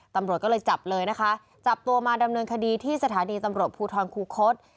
ตำรวจก็เลยจับเลยนะคะจับตัวมาดำเนินคดีที่สถานีตำรวจภูทรคูคศ